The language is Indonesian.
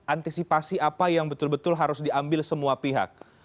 antisipasi apa yang betul betul harus diambil semua pihak